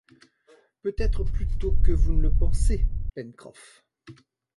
Peut-être plus tôt que vous ne le pensez, Pencroff.